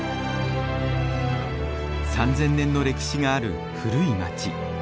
３，０００年の歴史がある古い街。